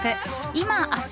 「今‐明日